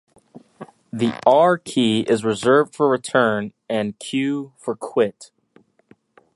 The 'R' key is reserved for 'Return', and 'Q' for 'Quit.